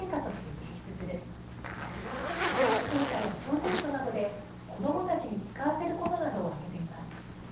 定期考査や小テストなどで子どもたちに使わせることなどを挙げています。